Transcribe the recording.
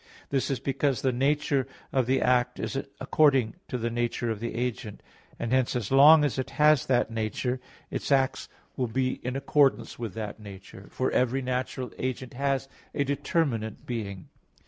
This is because the nature of the act is according to the nature of the agent; and hence as long as it has that nature, its acts will be in accordance with that nature; for every natural agent has a determinate being.